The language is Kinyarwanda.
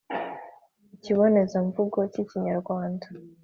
Ikibonezamvugo k’ikinyarwanda: